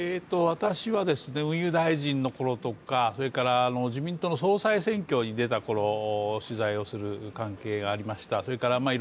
私は運輸大臣のころとか自民党の総裁選挙に出たころ、取材をする関係がありました。